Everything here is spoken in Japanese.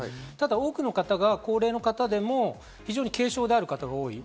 多くの方が高齢の方でも非常に軽症である方が多い。